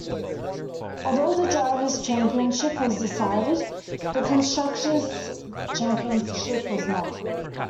Although the Drivers' Championship was decided, the Constructors' Championship was not.